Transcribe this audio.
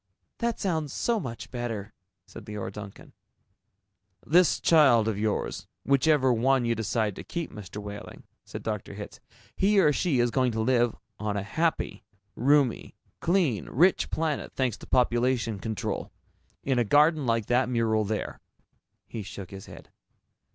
"That sounds so much better," said Leora Duncan. "This child of yours whichever one you decide to keep, Mr. Wehling," said Dr. Hitz. "He or she is going to live on a happy, roomy, clean, rich planet, thanks to population control. In a garden like that mural there." He shook his head.